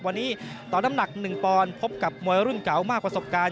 วันนี้ต่อน้ำหนัก๑ปอนดพบกับมวยรุ่นเก่ามากประสบการณ์